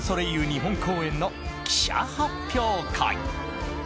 日本公演の記者発表会。